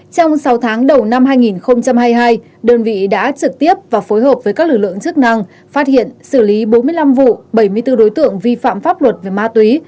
trong sáu tháng đầu năm hai nghìn hai mươi hai đơn vị đã trực tiếp và phối hợp với các lực lượng chức năng phát hiện xử lý bốn mươi năm vụ bảy mươi bốn đối tượng vi phạm pháp luật về ma túy